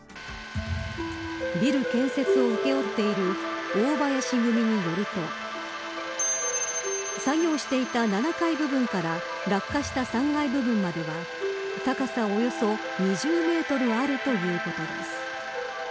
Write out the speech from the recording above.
ビル建設を請け負っている大林組によると作業していた７階部分から落下した３階部分までは高さおよそ２０メートルあるということです。